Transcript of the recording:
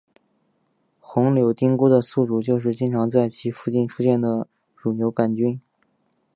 红铆钉菇的宿主就是经常在其附近出现的乳牛肝菌。